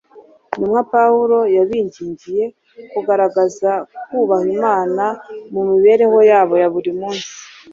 intumwa Pawulo yabingingiye kugaragaza kubaha Imana mu mibereho yabo ya buri munsi.